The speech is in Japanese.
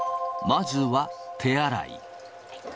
まずは手洗い。